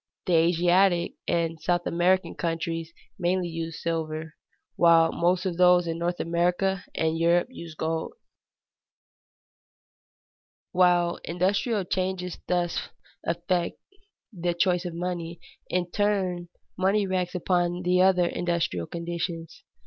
The Asiatic and South American countries mainly use silver, while most of those in North America and Europe use gold. While industrial changes thus affect the choice of money, in turn money reacts upon the other industrial conditions.